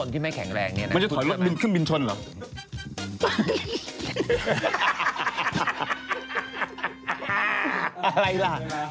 เฉียนละ